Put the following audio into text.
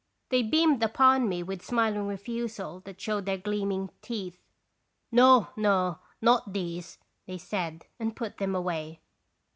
They beamed upon me with smiling refusal that showed their gleaming teeth. " No, no; not these," they said, and put them away.